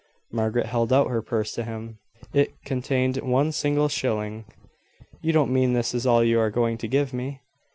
Margaret held out her purse to him. It contained one single shilling. "You don't mean this is all you are going to give me?"